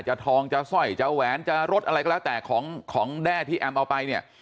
ทองจะสร้อยจะแหวนจะรสอะไรก็แล้วแต่ของของแด้ที่แอมเอาไปเนี่ย